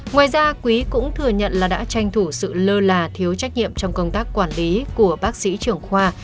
ngoài ra quý cũng thừa nhận là đã tranh thủ sự lơ là thiếu trách nhiệm trong công tác quản lý của bác sĩ trưởng khoa